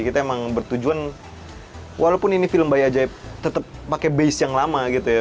kita emang bertujuan walaupun ini film bayi ajaib tetap pakai base yang lama gitu ya